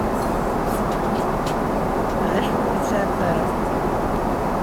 D acu ur tesɛimt ara?